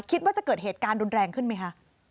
คิดว่าจะเกิดเหตุการณ์รุนแรงขึ้นไหมคะ